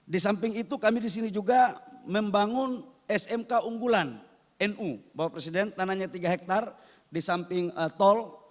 di samping itu kami di sini juga membangun smk unggulan nu bapak presiden tanahnya tiga hektare di samping tol